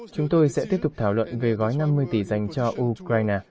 chúng tôi sẽ tiếp tục thảo luận về gói năm mươi tỷ dành cho ukraine